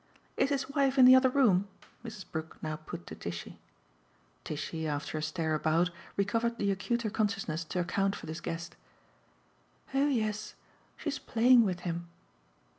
"Is his wife in the other room?" Mrs. Brook now put to Tishy. Tishy, after a stare about, recovered the acuter consciousness to account for this guest. "Oh yes she's playing with him."